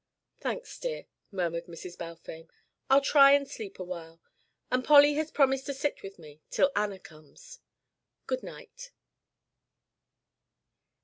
"Thanks, dear," murmured Mrs. Balfame. "I'll try and sleep awhile, and Polly has promised to sit with me till Anna comes. Good night."